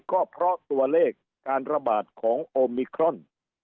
ก็เพราะตัวเลขการระบาดของโอมิครอน